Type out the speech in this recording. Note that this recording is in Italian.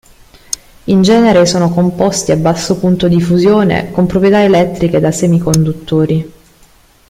In genere sono composti a basso punto di fusione con proprietà elettriche da semiconduttori.